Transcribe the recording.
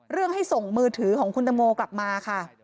เรื่องให้ส่งมือถือของคุณตมกลับมาค่ะ